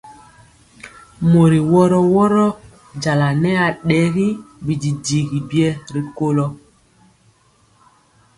Mori woro woro njala nɛɛ adɛri bidigi biɛ rikolo.